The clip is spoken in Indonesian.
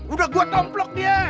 udah gue tompelok dia